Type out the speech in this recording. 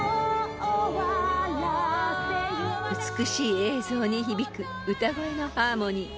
［美しい映像に響く歌声のハーモニー］